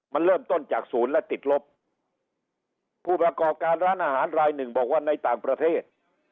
มันเริ่มต้นจากศูนย์และติดลบผู้ประกอบการร้านอาหารรายหนึ่งบอกว่าในต่างประเทศ